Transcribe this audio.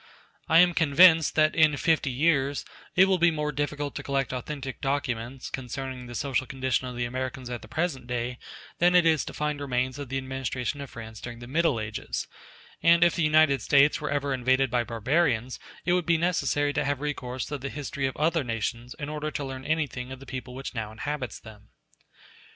I am convinced that in fifty years it will be more difficult to collect authentic documents concerning the social condition of the Americans at the present day than it is to find remains of the administration of France during the Middle Ages; and if the United States were ever invaded by barbarians, it would be necessary to have recourse to the history of other nations in order to learn anything of the people which now inhabits them.